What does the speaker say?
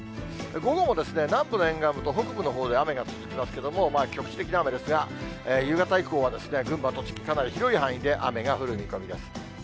午後も南部の沿岸部と北部のほうで雨が続きますけれども、局地的な雨ですが、夕方以降は群馬、栃木、かなり広い範囲で雨が降る見込みです。